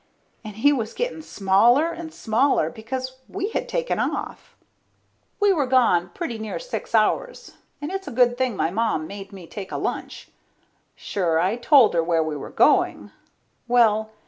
And he was getting smaller and smaller, because we had taken off. We were gone pretty near six hours, and it's a good thing my Mom made me take a lunch. Sure, I told her where we were going. Well